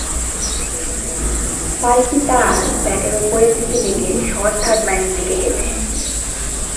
তার একটি তাঁর ব্যাটের ওপরের দিকে লেগে শর্ট থার্ডম্যানের দিকে গেছে।